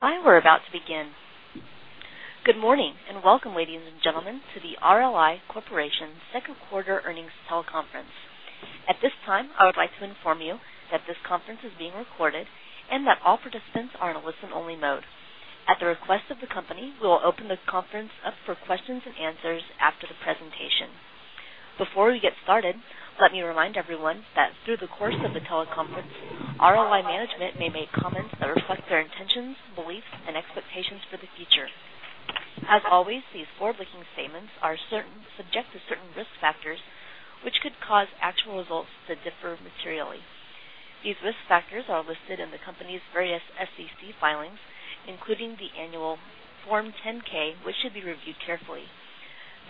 Hi, we're about to begin. Good morning, and welcome, ladies and gentlemen, to the RLI Corp. Second Quarter Earnings Teleconference. At this time, I would like to inform you that this conference is being recorded and that all participants are in a listen-only mode. At the request of the company, we will open the conference up for questions and answers after the presentation. Before we get started, let me remind everyone that through the course of the teleconference, RLI management may make comments that reflect their intentions, beliefs, and expectations for the future. As always, these forward-looking statements are subject to certain risk factors which could cause actual results to differ materially. These risk factors are listed in the company's various SEC filings, including the annual Form 10-K, which should be reviewed carefully.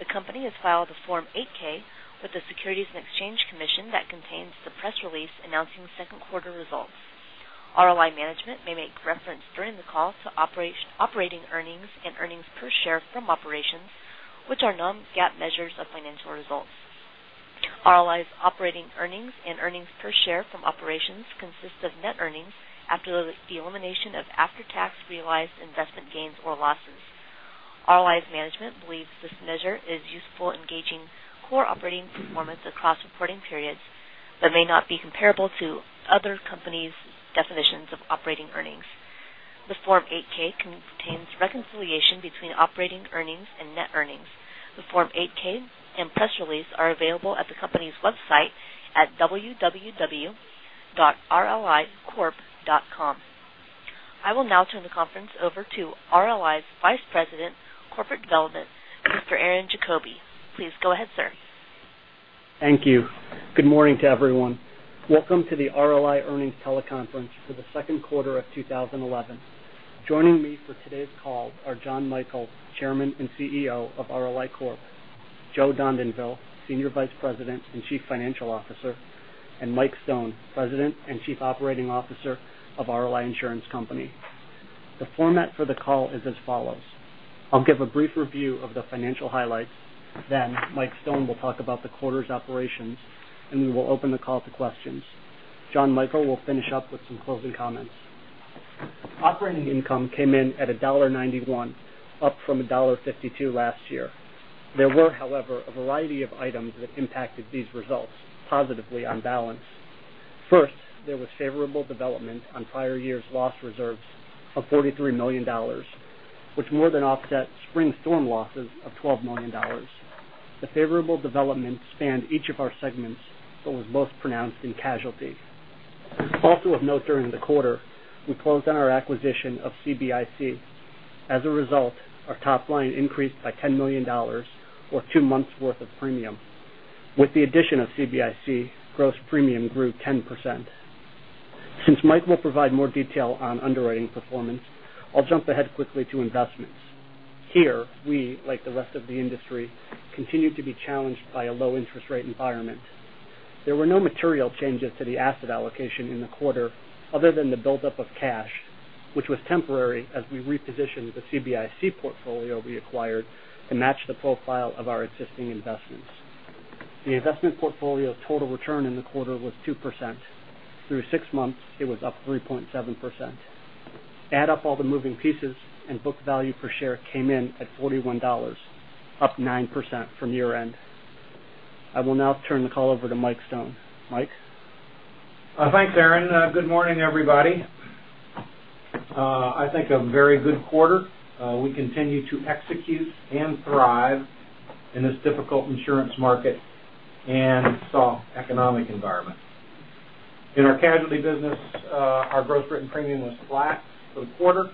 The company has filed a Form 8-K with the Securities and Exchange Commission that contains the press release announcing second quarter results. RLI management may make reference during the call to operating earnings and earnings per share from operations, which are non-GAAP measures of financial results. RLI's operating earnings and earnings per share from operations consist of net earnings after the elimination of after-tax realized investment gains or losses. RLI's management believes this measure is useful in gauging core operating performance across reporting periods but may not be comparable to other companies' definitions of operating earnings. The Form 8-K contains reconciliation between operating earnings and net earnings. The Form 8-K and press release are available at the company's website at www.rlicorp.com. I will now turn the conference over to RLI's Vice President of Corporate Development, Mr. Aaron Diefenthaler. Please go ahead, sir. Thank you. Good morning to everyone. Welcome to the RLI Earnings Teleconference for the second quarter of 2011. Joining me for today's call are Jonathan Michael, Chairman and CEO of RLI Corp; Joseph Dondanville, Senior Vice President and Chief Financial Officer; and Mike Stone, President and Chief Operating Officer of RLI Insurance Company. The format for the call is as follows: I'll give a brief review of the financial highlights, then Mike Stone will talk about the quarter's operations, and we will open the call to questions. Jonathan Michael will finish up with some closing comments. Operating income came in at $1.91, up from $1.52 last year. There were, however, a variety of items that impacted these results positively on balance. First, there was favorable development on prior year's loss reserves of $43 million, which more than offset spring storm losses of $12 million. The favorable development spanned each of our segments but was most pronounced in casualty. Also of note during the quarter, we closed on our acquisition of CBIC. As a result, our top line increased by $10 million or two months' worth of premium. With the addition of CBIC, gross premium grew 10%. Since Mike will provide more detail on underwriting performance, I'll jump ahead quickly to investments. Here, we, like the rest of the industry, continued to be challenged by a low interest rate environment. There were no material changes to the asset allocation in the quarter other than the buildup of cash, which was temporary as we repositioned the CBIC portfolio we acquired to match the profile of our existing investments. The investment portfolio's total return in the quarter was 2%. Through six months, it was up 3.7%. Add up all the moving pieces, book value per share came in at $41, up 9% from year end. I will now turn the call over to Mike Stone. Mike? Thanks, Aaron. Good morning, everybody. I think a very good quarter. We continue to execute and thrive in this difficult insurance market and soft economic environment. In our casualty business, our gross written premium was flat for the quarter.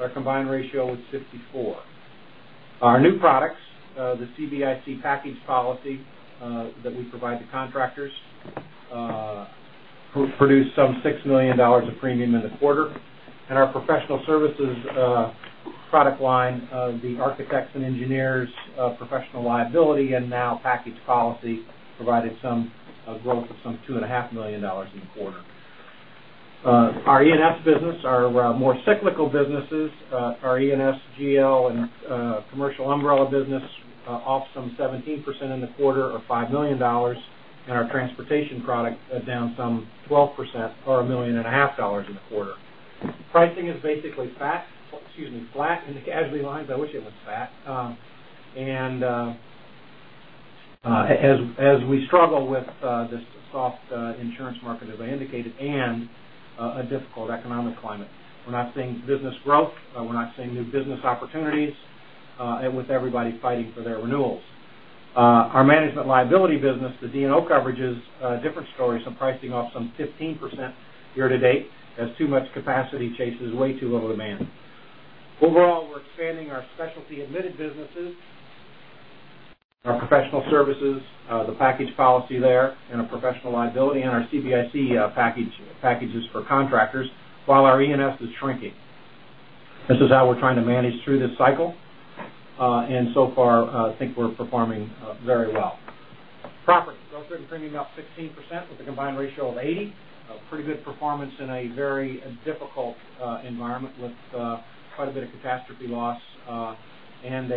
Our combined ratio was 64. Our new products, the CBIC package policy that we provide to contractors, produced some $6 million of premium in the quarter. Our professional services product line, the architects and engineers professional liability, and now package policy provided some growth of some $2.5 million in the quarter. Our E&S business, our more cyclical businesses, our E&S GL and commercial umbrella business, off some 17% in the quarter or $5 million, our transportation product down some 12% or $1.5 million in the quarter. Pricing is basically flat in the casualty lines. I wish it was fat. As we struggle with this soft insurance market, as I indicated, a difficult economic climate, we're not seeing business growth, we're not seeing new business opportunities, with everybody fighting for their renewals. Our management liability business, the D&O coverage is a different story. Pricing off some 15% year to date as too much capacity chases way too little demand. Overall, we're expanding our specialty admitted businesses, our professional services, the package policy there, our professional liability, our CBIC packages for contractors while our E&S is shrinking. This is how we're trying to manage through this cycle. So far, I think we're performing very well. Property. Gross written premium up 16% with a combined ratio of 80. A pretty good performance in a very difficult environment with quite a bit of catastrophe loss and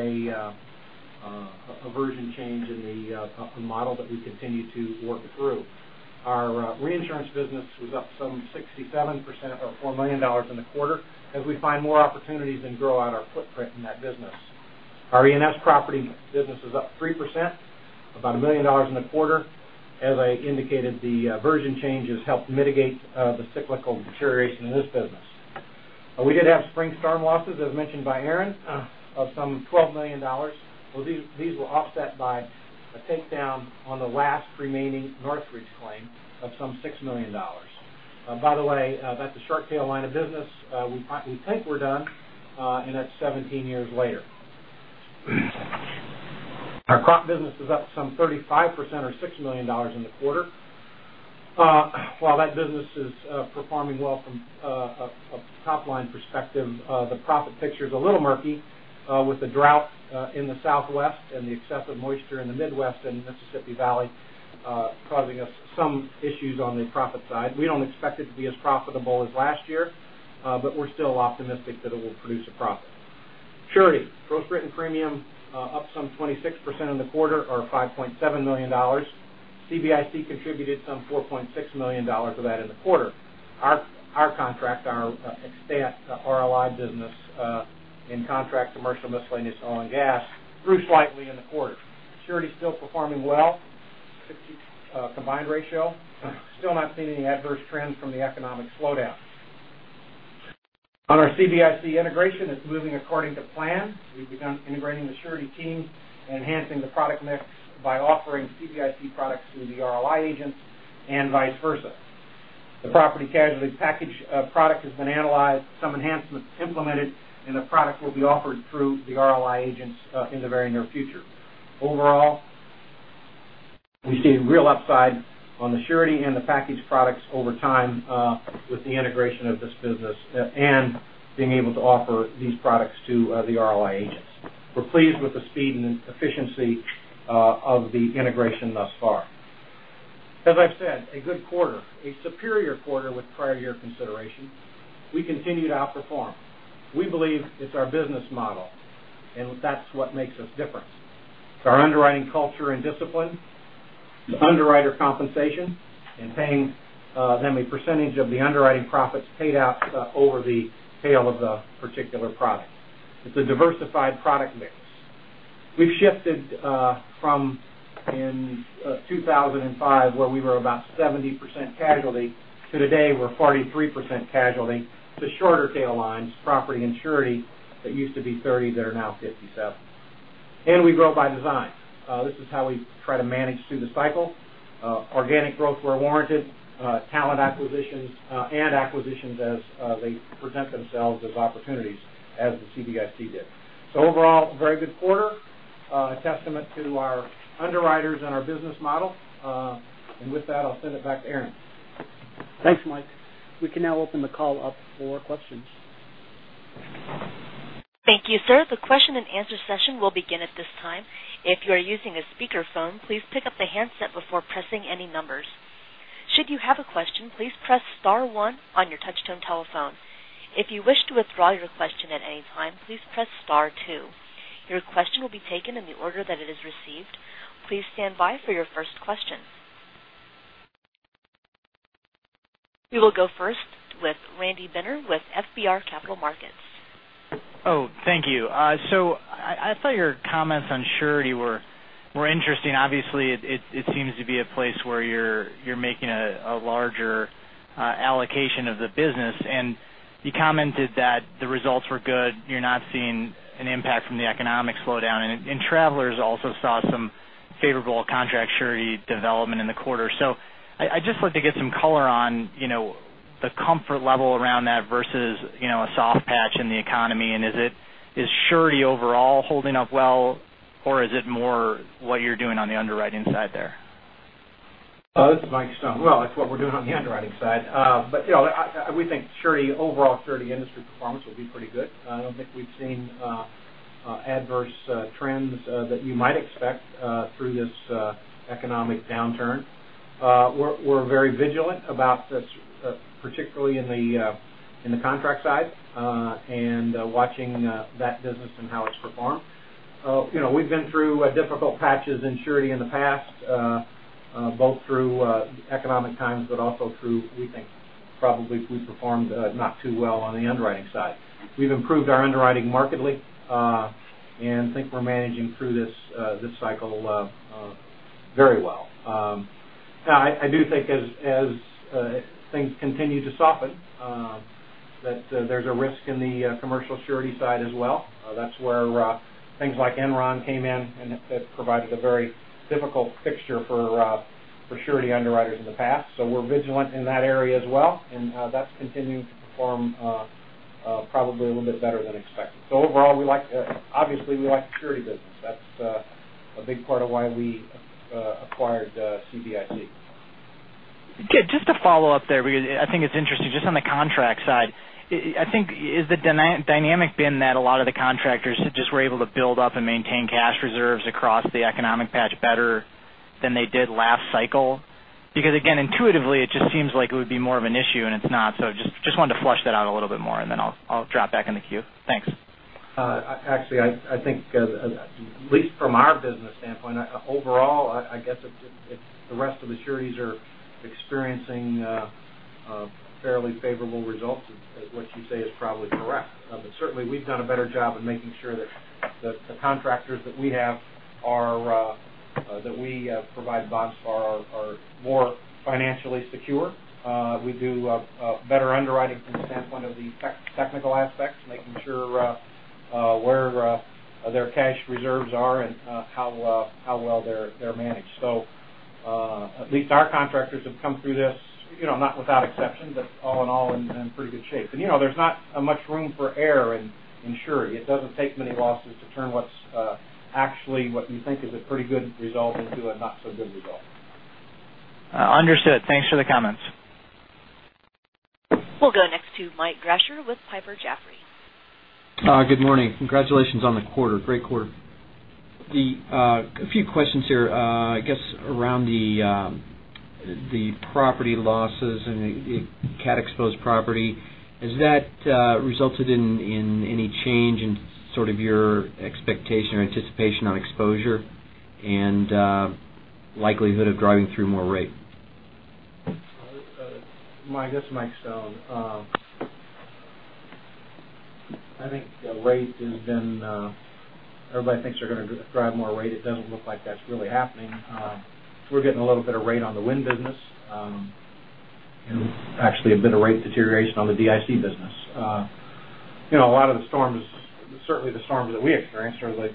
a version change in the model that we continue to work through. Our reinsurance business was up some 67%, about $4 million in the quarter, as we find more opportunities and grow out our footprint in that business. Our E&S property business is up 3%, about $1 million in the quarter. As I indicated, the version changes helped mitigate the cyclical deterioration in this business. We did have spring storm losses, as mentioned by Aaron, of some $12 million. These were offset by a takedown on the last remaining Northridge claim of some $6 million. By the way, that's a short tail line of business. We think we're done, that's 17 years later. Our crop business is up some 35% or $6 million in the quarter. While that business is performing well from a top-line perspective, the profit picture is a little murky with the drought in the Southwest and the excessive moisture in the Midwest and Mississippi Valley causing us some issues on the profit side. We don't expect it to be as profitable as last year. We're still optimistic that it will produce a profit. Surety. Gross written premium up some 26% in the quarter or $5.7 million. CBIC contributed some $4.6 million of that in the quarter. Our contract, our RLI business in Contract, Commercial, Miscellaneous, Oil and Gas, grew slightly in the quarter. Surety is still performing well. 60 combined ratio. Still not seeing any adverse trends from the economic slowdown. On our CBIC integration, it's moving according to plan. We've begun integrating the surety team and enhancing the product mix by offering CBIC products through the RLI agents and vice versa. The property casualty package product has been analyzed, some enhancements implemented, and the product will be offered through the RLI agents in the very near future. Overall, we see real upside on the surety and the package products over time with the integration of this business and being able to offer these products to the RLI agents. We're pleased with the speed and efficiency of the integration thus far. As I've said, a good quarter, a superior quarter with prior year consideration. We continue to outperform. We believe it's our business model. That's what makes us different. It's our underwriting culture and discipline, the underwriter compensation, and paying them a percentage of the underwriting profits paid out over the tail of the particular product. It's a diversified product mix. We've shifted from in 2005, where we were about 70% casualty, to today, we're 43% casualty. The shorter tail lines, property and surety, that used to be 30%, they're now 57%. We grow by design. This is how we try to manage through the cycle. Organic growth where warranted, talent acquisitions, and acquisitions as they present themselves as opportunities, as the CBIC did. Overall, a very good quarter, a testament to our underwriters and our business model. With that, I'll send it back to Aaron. Thanks, Mike. We can now open the call up for questions. Thank you, sir. The question and answer session will begin at this time. If you are using a speakerphone, please pick up the handset before pressing any numbers. Should you have a question, please press star one on your touch-tone telephone. If you wish to withdraw your question at any time, please press star two. Your question will be taken in the order that it is received. Please stand by for your first question. We will go first with Randy Binner with FBR Capital Markets. Oh, thank you. I thought your comments on surety were interesting. Obviously, it seems to be a place where you're making a larger allocation of the business, and you commented that the results were good. You're not seeing an impact from the economic slowdown. Travelers also saw some favorable contract surety development in the quarter. I'd just like to get some color on the comfort level around that versus a soft patch in the economy. Is surety overall holding up well, or is it more what you're doing on the underwriting side there? This is Mike Stone. It's what we're doing on the underwriting side. We think overall surety industry performance will be pretty good. I don't think we've seen adverse trends that you might expect through this economic downturn. We're very vigilant about this, particularly in the contract side and watching that business and how it's performed. We've been through difficult patches in surety in the past, both through economic times, but also through, we think, probably we performed not too well on the underwriting side. We've improved our underwriting markedly and think we're managing through this cycle very well. I do think as things continue to soften, that there's a risk in the commercial surety side as well. That's where things like Enron came in and provided a very difficult fixture for surety underwriters in the past. We're vigilant in that area as well, and that's continuing to perform probably a little bit better than expected. Overall, obviously, we like the surety business. That's a big part of why we acquired CBIC. Just to follow up there, because I think it's interesting, just on the contract side. I think, is the dynamic being that a lot of the contractors just were able to build up and maintain cash reserves across the economic patch better than they did last cycle? Again, intuitively, it just seems like it would be more of an issue, and it's not. Just wanted to flush that out a little bit more, and then I'll drop back in the queue. Thanks. Actually, I think at least from our business standpoint, overall, I guess if the rest of the sureties are experiencing fairly favorable results, what you say is probably correct. Certainly, we've done a better job of making sure that the contractors that we provide bonds for are more financially secure. We do a better underwriting from the standpoint of the technical aspects, making sure where their cash reserves are and how well they're managed. At least our contractors have come through this, not without exception, but all in all, in pretty good shape. There's not much room for error in surety. It doesn't take many losses to turn what you think is a pretty good result into a not-so-good result. Understood. Thanks for the comments. We'll go next to Mike Grasher with Piper Jaffray. Good morning. Congratulations on the quarter. Great quarter. A few questions here, I guess, around the property losses and the cat-exposed property. Has that resulted in any change in your expectation or anticipation on exposure and likelihood of driving through more rate? Mike, this is Michael J. Stone. I think everybody thinks they're going to drive more rate. It doesn't look like that's really happening. We're getting a little bit of rate on the wind business, and actually a bit of rate deterioration on the DIC business. A lot of the storms, certainly the storms that we experienced, are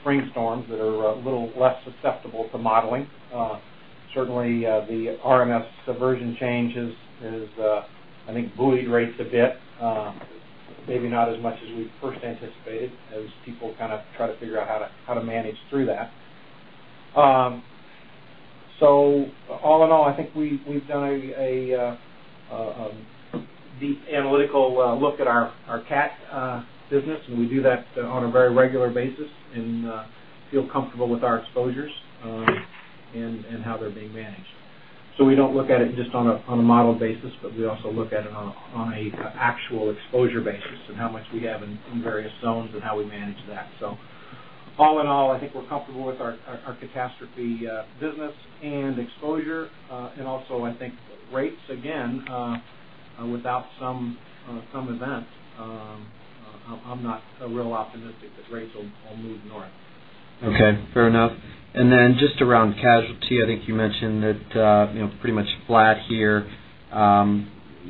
spring storms that are a little less susceptible to modeling. Certainly, the RMS version changes has, I think, buoyed rates a bit. Maybe not as much as we first anticipated as people kind of try to figure out how to manage through that. All in all, I think we've done a deep analytical look at our cat business, and we do that on a very regular basis and feel comfortable with our exposures and how they're being managed. We don't look at it just on a model basis, but we also look at it on an actual exposure basis and how much we have in various zones and how we manage that. All in all, I think we're comfortable with our catastrophe business and exposure. Also, I think rates, again, without some event, I'm not real optimistic that rates will move north. Okay, fair enough. Just around casualty, I think you mentioned that pretty much flat here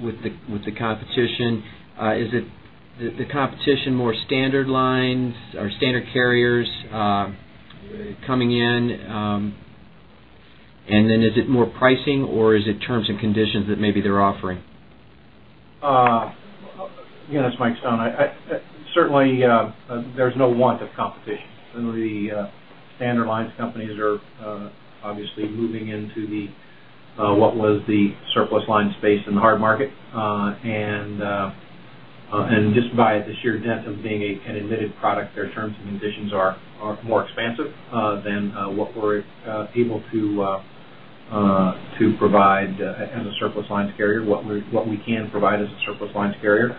with the competition. Is the competition more standard lines or standard carriers coming in? Is it more pricing, or is it terms and conditions that maybe they're offering? Again, it's Mike Stone. Certainly, there's no want of competition. The standard lines companies are obviously moving into what was the surplus lines space in the hard market. Just by the sheer dint of being an admitted product, their terms and conditions are more expansive than what we can provide as a surplus lines carrier.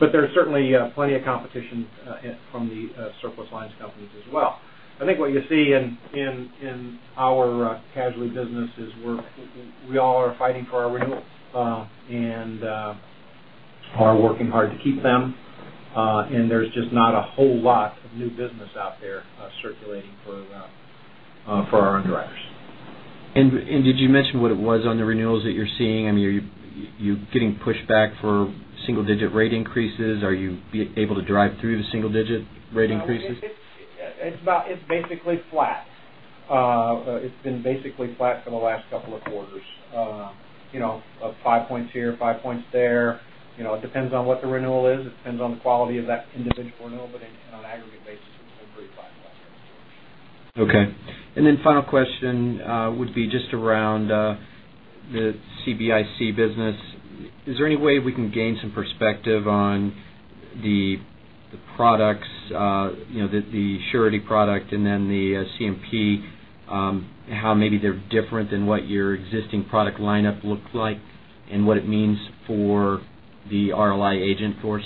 There's certainly plenty of competition from the surplus lines companies as well. I think what you see in our casualty business is we all are fighting for our renewals and are working hard to keep them. There's just not a whole lot of new business out there circulating for our underwriters. Did you mention what it was on the renewals that you're seeing? Are you getting pushback for single-digit rate increases? Are you able to drive through the single-digit rate increases? It's basically flat. It's been basically flat for the last couple of quarters. Five points here, five points there. It depends on what the renewal is. It depends on the quality of that individual renewal, but on an aggregate basis, it's been pretty flat. Okay. Then final question would be just around the CBIC business. Is there any way we can gain some perspective on the products, the surety product, and then the CMP, how maybe they're different than what your existing product lineup looked like and what it means for the RLI agent force?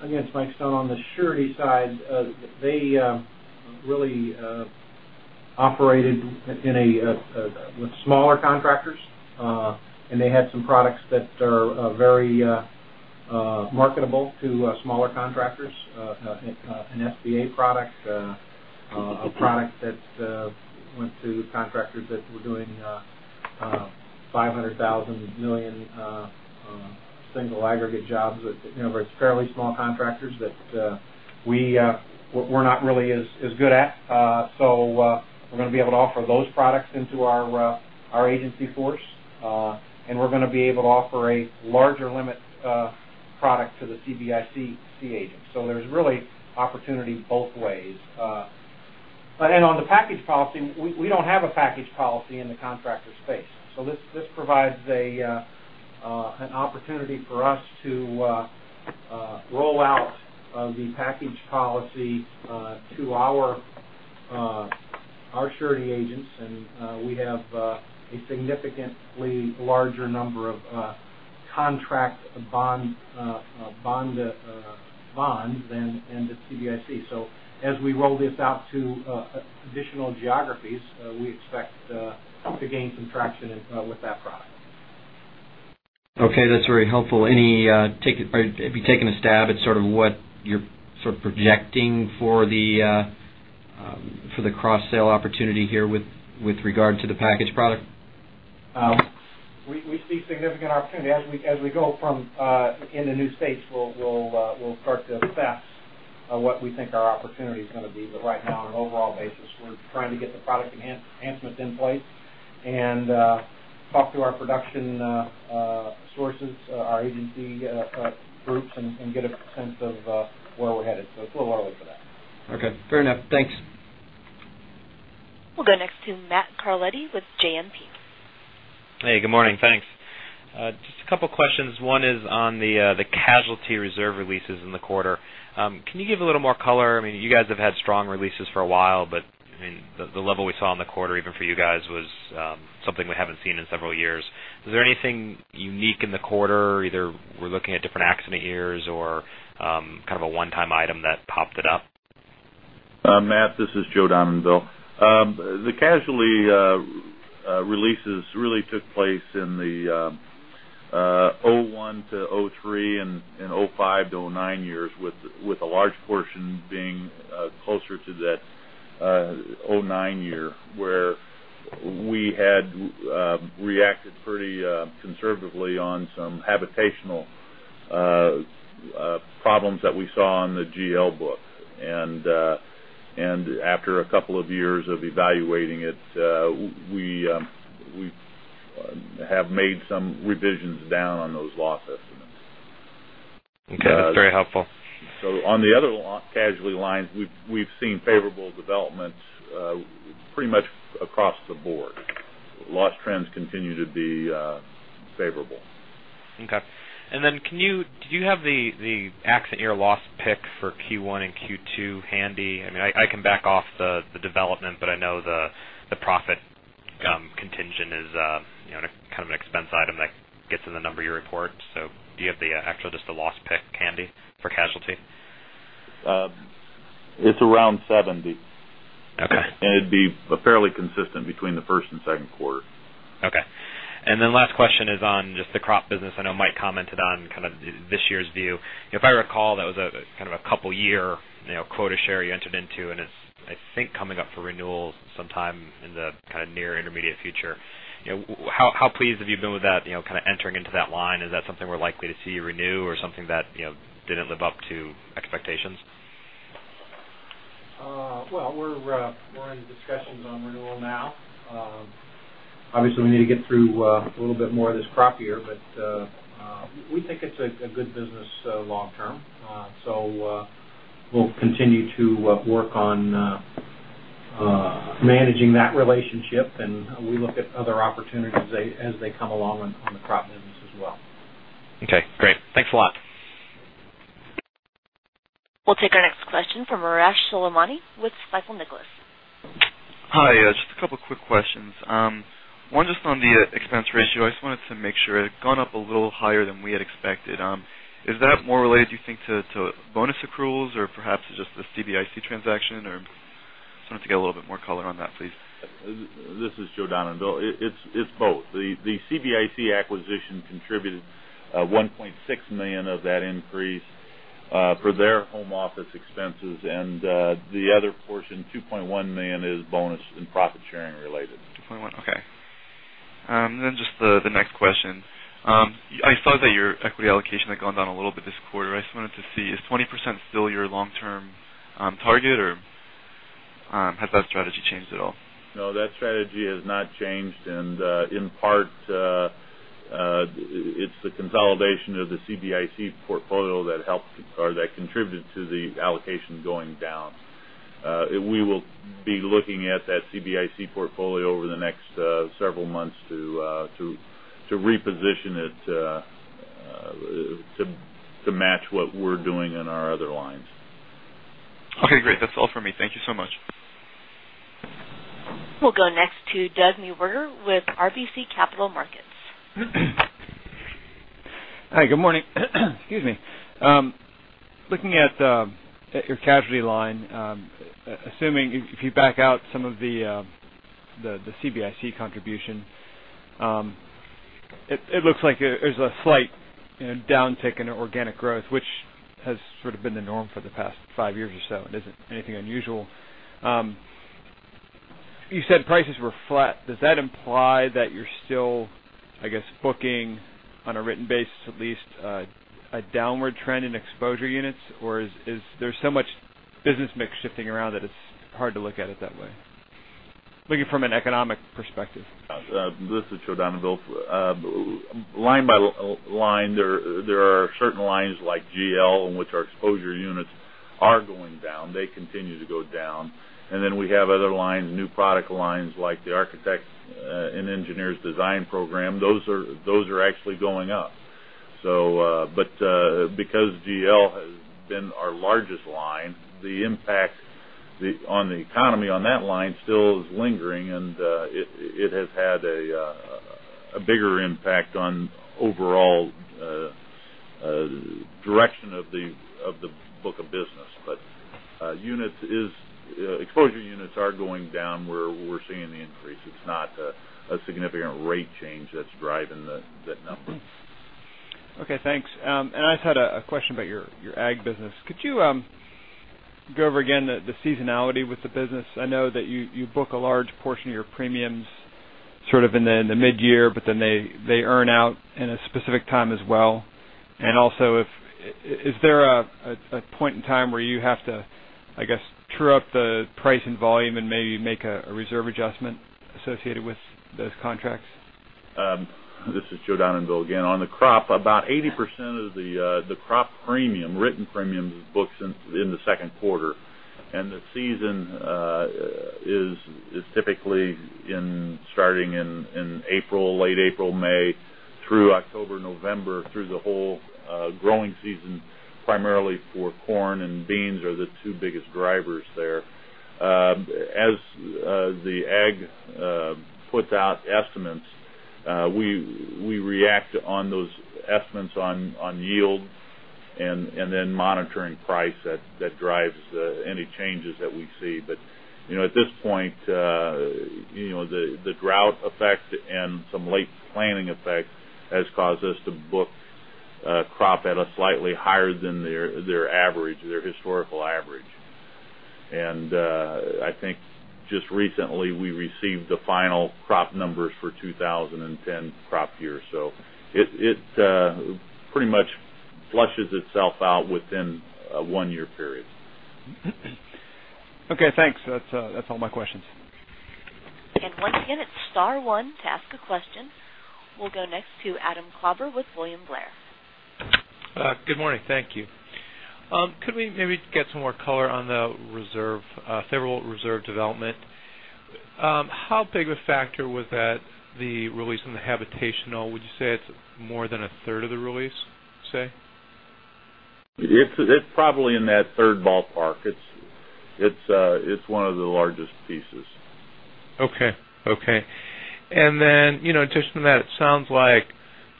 Again, it's Mike Stone. On the surety side, they really operated with smaller contractors. They had some products that are very marketable to smaller contractors, an SBA product, a product that went to contractors that were doing $500,000, $1 million single aggregate jobs. In other words, fairly small contractors that we're not really as good at. We're going to be able to offer those products into our agency force. We're going to be able to offer a larger limit product to the CBIC agents. There's really opportunity both ways. On the package policy, we don't have a package policy in the contractor space. This provides an opportunity for us to roll out the package policy to our surety agents, and we have a significantly larger number of contract bonds than just CBIC. As we roll this out to additional geographies, we expect to gain some traction with that product. Okay, that's very helpful. Have you taken a stab at what you're projecting for the cross-sale opportunity here with regard to the package product? We see significant opportunity. As we go into new states, we'll start to assess what we think our opportunity is going to be. Right now, on an overall basis, we're trying to get the product enhancements in place and talk to our production sources, our agency groups, and get a sense of where we're headed. It's a little early for that. Okay, fair enough. Thanks. We'll go next to Matt Carletti with JMP. Hey, good morning. Thanks. Just a couple of questions. One is on the casualty reserve releases in the quarter. Can you give a little more color? You guys have had strong releases for a while, but the level we saw in the quarter, even for you guys, was something we haven't seen in several years. Was there anything unique in the quarter, either we're looking at different accident years or kind of a one-time item that popped it up? Matt, this is Joe Dondanville. The casualty releases really took place in the 2001-2003 and 2005-2009 years, with a large portion being closer to that 2009 year, where we had reacted pretty conservatively on some habitational problems that we saw in the GL book. After a couple of years of evaluating it, we have made some revisions down on those loss estimates. Okay. That's very helpful. On the other casualty lines, we've seen favorable developments pretty much across the board. Loss trends continue to be favorable. Okay. Do you have the accident year loss pick for Q1 and Q2 handy? I can back off the development, but I know the profit contingent is kind of an expense item that gets in the number you report. Do you have the actual loss pick handy for casualty? It's around 70%. Okay. It'd be fairly consistent between the first and second quarter. Okay. Last question is on just the crop business. I know Mike commented on this year's view. If I recall, that was kind of a couple-year quota share you entered into, and it's, I think, coming up for renewals sometime in the near intermediate future. How pleased have you been with that, kind of entering into that line? Is that something we're likely to see you renew or something that didn't live up to expectations? Well, we're in discussions on renewal now. Obviously, we need to get through a little bit more of this crop year, we think it's a good business long term. We'll continue to work on managing that relationship, we look at other opportunities as they come along on the crop business as well. Okay, great. Thanks a lot. We'll take our next question from Arash Soleimani with Stifel Nicolaus. Hi. Just a couple quick questions. One, just on the expense ratio, I just wanted to make sure it had gone up a little higher than we had expected. Is that more related, do you think, to bonus accruals or perhaps just the CBIC transaction, or just wanted to get a little bit more color on that, please. This is Joe Dondanville. It's both. The CBIC acquisition contributed $1.6 million of that increase for their home office expenses, and the other portion, $2.1 million, is bonus and profit-sharing related. 2.1, okay. Just the next question. I saw that your equity allocation had gone down a little bit this quarter. I just wanted to see, is 20% still your long-term target, or has that strategy changed at all? No, that strategy has not changed. In part, it's the consolidation of the CBIC portfolio that helped or that contributed to the allocation going down. We will be looking at that CBIC portfolio over the next several months to reposition it to match what we're doing in our other lines. Okay, great. That's all for me. Thank you so much. We'll go next to Doug Neuberger with RBC Capital Markets. Hi, good morning. Excuse me. Looking at your casualty line, assuming if you back out some of the CBIC contribution, it looks like there's a slight downtick in organic growth, which has sort of been the norm for the past five years or so, isn't anything unusual. You said prices were flat. Does that imply that you're still, I guess, booking on a written basis at least a downward trend in exposure units, or is there so much business mix shifting around that it's hard to look at it that way? Looking from an economic perspective. This is Joseph Dondanville. Line by line, there are certain lines like GL, in which our exposure units are going down. They continue to go down. Then we have other lines, new product lines, like the architects and engineers design program. Those are actually going up. Because GL has been our largest line, the impact on the economy on that line still is lingering, and it has had a bigger impact on overall direction of the book of business. Exposure units are going down. We're seeing the increase. It's not a significant rate change that's driving that number. Okay, thanks. I just had a question about your ag business. Could you go over again the seasonality with the business? I know that you book a large portion of your premiums sort of in the mid-year, but then they earn out in a specific time as well. Also, is there a point in time where you have to, I guess, true up the price and volume and maybe make a reserve adjustment associated with those contracts? This is Joseph Dondanville again. On the crop, about 80% of the crop premium, written premium, is booked in the second quarter. The season is typically starting in April, late April, May, through October, November, through the whole growing season, primarily for corn and beans are the two biggest drivers there. As the ag puts out estimates, we react on those estimates on yield and then monitoring price that drives any changes that we see. At this point, the drought effect and some late planting effects has caused us to book crop at a slightly higher than their average, their historical average. I think just recently, we received the final crop numbers for 2010 crop year. It pretty much flushes itself out within a one-year period. Okay, thanks. That's all my questions. Once again, it's star one to ask a question. We'll go next to Adam Klauber with William Blair. Good morning. Thank you. Could we maybe get some more color on the favorable reserve development? How big a factor was that, the release and the habitational? Would you say it's more than a third of the release, say? It's probably in that third ballpark. It's one of the largest pieces. Okay. Then, in addition to that, it sounds like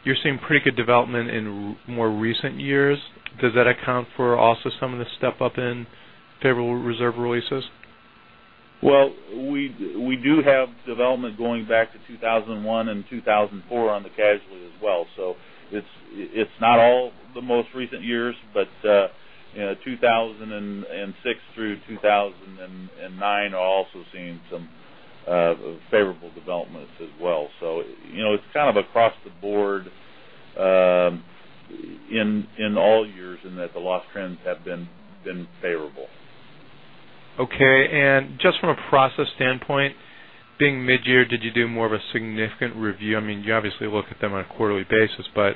you're seeing pretty good development in more recent years. Does that account for also some of the step-up in favorable reserve releases? Well, we do have development going back to 2001 and 2004 on the casualty as well. It's not all the most recent years, but 2006 through 2009 also seen some favorable developments as well. It's kind of across the board in all years in that the loss trends have been favorable. Okay. Just from a process standpoint, being mid-year, did you do more of a significant review? You obviously look at them on a quarterly basis, but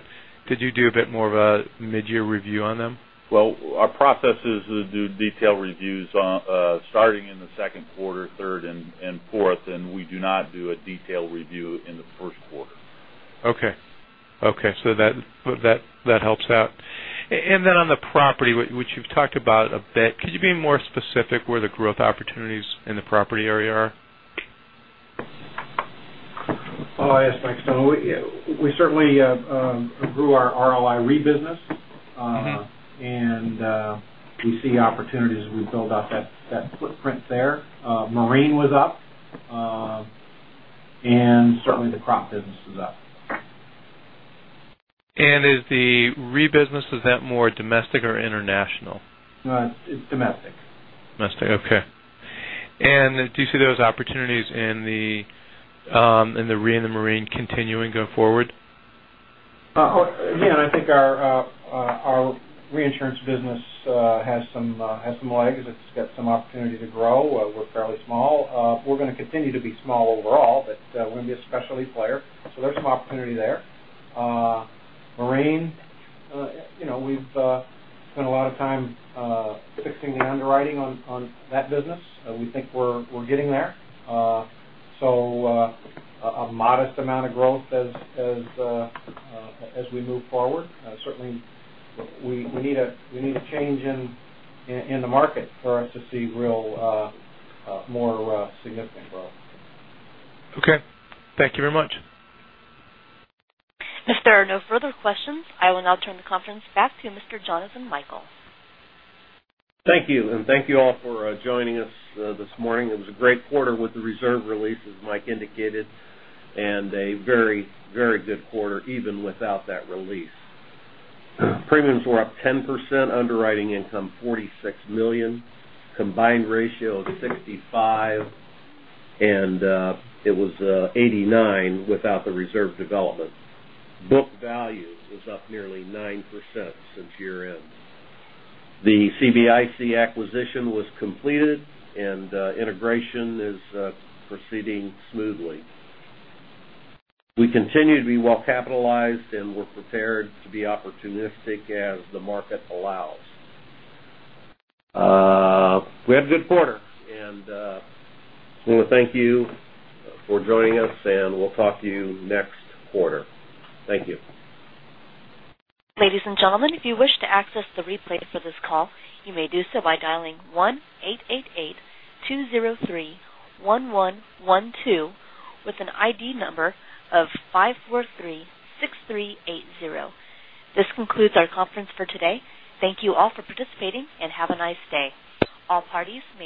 did you do a bit more of a mid-year review on them? Well, our process is to do detailed reviews starting in the second quarter, third and fourth, and we do not do a detailed review in the first quarter. Okay. That helps out. Then on the property, which you've talked about a bit, could you be more specific where the growth opportunities in the property area are? Yes, Mike. We certainly grew our RLI Re business. We see opportunities as we build out that footprint there. Marine was up. Certainly, the crop business was up. Is the Re business, is that more domestic or international? No, it's domestic. Domestic, okay. Do you see those opportunities in the Re and the Marine continuing go forward? Again, I think our reinsurance business has some legs. It's got some opportunity to grow. We're fairly small. We're going to continue to be small overall, but we're going to be a specialty player. There's some opportunity there. Marine, we've spent a lot of time fixing the underwriting on that business. We think we're getting there. A modest amount of growth as we move forward. Certainly, we need a change in the market for us to see real, more significant growth. Okay. Thank you very much. If there are no further questions, I will now turn the conference back to Mr. Jonathan Michael. Thank you. Thank you all for joining us this morning. It was a great quarter with the reserve release, as Mike indicated, and a very good quarter even without that release. Premiums were up 10%, underwriting income, $46 million, combined ratio is 65, and it was 89 without the reserve development. Book value is up nearly 9% since year-end. The CBIC acquisition was completed, and integration is proceeding smoothly. We continue to be well-capitalized, and we're prepared to be opportunistic as the market allows. We had a good quarter, and I want to thank you for joining us, and we'll talk to you next quarter. Thank you. Ladies and gentlemen, if you wish to access the replay for this call, you may do so by dialing 1-888-203-1112 with an ID number of 5436380. This concludes our conference for today. Thank you all for participating, and have a nice day. All parties may